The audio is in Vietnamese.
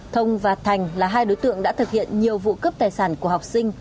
thông và thành là hai đối tượng đã thực hiện nhiều vụ cướp tài sản của học sinh